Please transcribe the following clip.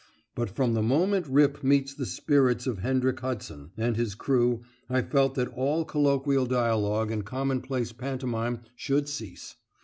But from the moment Rip meets the spirits of Hendrik Hudson and his crew I felt that all colloquial dialogue and commonplace pantomime should cease.